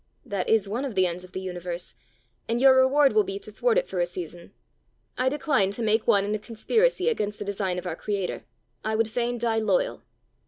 "That is one of the ends of the universe; and your reward will be to thwart it for a season. I decline to make one in a conspiracy against the design of our creator: I would fain die loyal!"